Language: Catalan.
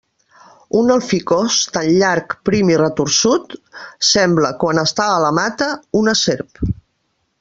Un alficòs, tan llarg, prim i retorçut, sembla, quan està a la mata, una serp.